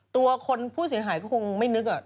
ตัวคนผู้เสียหายก็คงไม่นึก